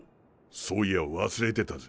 そういや忘れてたぜ。